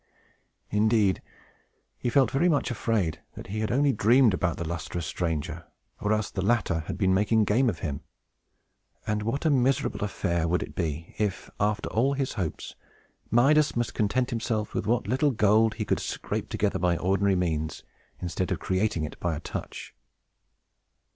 Indeed, he felt very much afraid that he had only dreamed about the lustrous stranger, or else that the latter had been making game of him. And what a miserable affair would it be, if, after all his hopes, Midas must content himself with what little gold he could scrape together by ordinary means, instead of creating it by a touch!